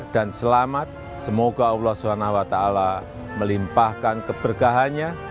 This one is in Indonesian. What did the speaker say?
dan selamat semoga allah swt melimpahkan keberkahannya